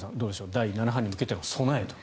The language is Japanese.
第７波に向けての備えと。